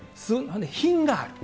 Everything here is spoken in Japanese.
品がある。